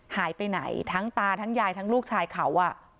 หายไปไหนทั้งตาทั้งยายทั้งลูกชายเขา